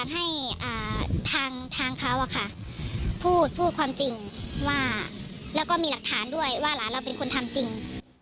ให้ทางเขาพูดพูดความจริงว่าแล้วก็มีหลักฐานด้วยว่าหลานเราเป็นคนทำจริง